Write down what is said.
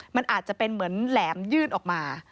มันอาจจะเป็นเหมือนแหลมยื่นออกมา